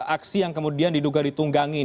aksi yang kemudian diduga ditunggangin